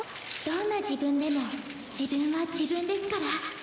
どんな自分でも自分は自分ですから。